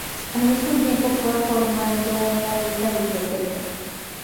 Al mismo tiempo, fue formando una rica biblioteca.